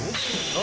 何？